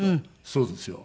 そうですよ。